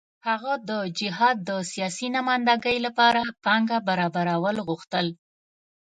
هغه د جهاد د سیاسي نمايندګۍ لپاره پانګه برابرول غوښتل.